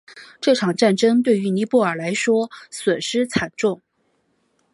这场战争对于尼泊尔来说损失惨重。